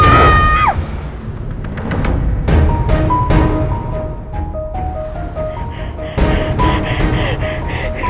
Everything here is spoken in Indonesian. apalagi di tempat sepi yang seperti ini